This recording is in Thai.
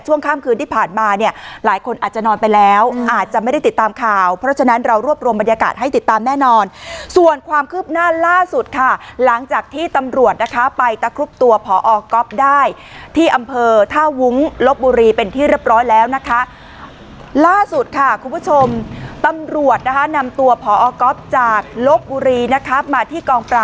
ข้ามคืนที่ผ่านมาเนี่ยหลายคนอาจจะนอนไปแล้วอาจจะไม่ได้ติดตามข่าวเพราะฉะนั้นเรารวบรวมบรรยากาศให้ติดตามแน่นอนส่วนความคืบหน้าล่าสุดค่ะหลังจากที่ตำรวจนะคะไปตะครุบตัวพอก๊อฟได้ที่อำเภอท่าวุ้งลบบุรีเป็นที่เรียบร้อยแล้วนะคะล่าสุดค่ะคุณผู้ชมตำรวจนะคะนำตัวพอก๊อฟจากลบบุรีนะคะมาที่กองปรา